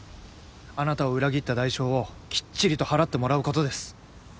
あなたを裏切った代償をきっちりと払ってもらうことです。